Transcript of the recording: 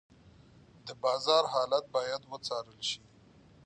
د بازار حالت باید وڅارل شي.